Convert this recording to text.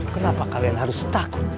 kenapa kalian harus takut